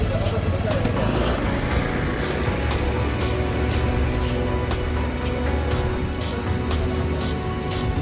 gak bisa berangkat